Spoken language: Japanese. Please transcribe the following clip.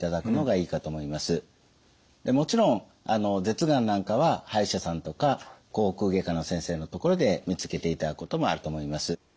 でもちろん舌がんなんかは歯医者さんとか口腔外科の先生のところで見つけていただくこともあると思います。